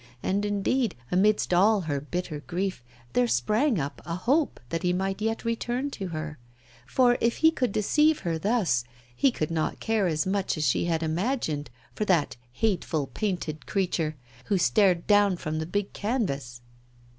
And, indeed, amidst all her bitter grief there sprang up a hope that he might yet return to her, for if he could deceive her thus he could not care as much as she had imagined for that hateful painted creature who stared down from the big canvas.